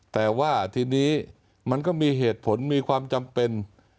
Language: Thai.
แต่ว่าทีนี้มันก็มีเหตุผลมีความจำเป็น